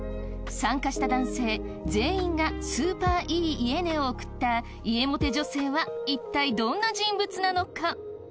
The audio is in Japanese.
参加した男性全員が「スーパーいい家ね」を送った家モテ女性は一体どんな人物なのか。